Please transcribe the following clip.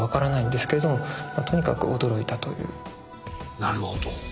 なるほど。